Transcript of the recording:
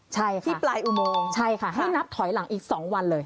ใช่ค่ะที่ปลายอุโมงใช่ค่ะให้นับถอยหลังอีก๒วันเลย